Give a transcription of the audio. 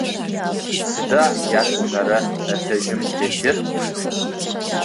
Сыда ятӏонэрэ этажым тетыр?